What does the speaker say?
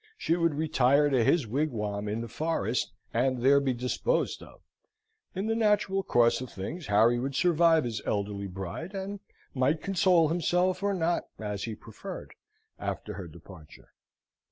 She would retire to his wigwam in the forest, and there be disposed of. In the natural course of things, Harry would survive his elderly bride, and might console himself or not, as he preferred, after her departure.